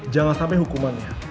jangan sampe hukumannya